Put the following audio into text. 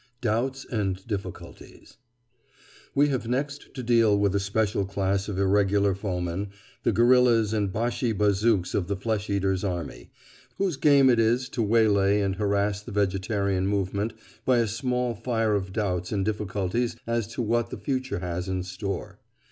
DOUBTS AND DIFFICULTIES We have next to deal with a special class of irregular foemen, the guerillas and Bashi Bazouks of the flesh eater's army, whose game it is to waylay and harass the vegetarian movement by a small fire of doubts and difficulties as to what the future has in store.